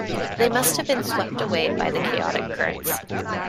They must have been swept away by the chaotic currents.